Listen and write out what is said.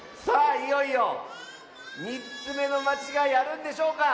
いよいよ３つめのまちがいあるんでしょうか。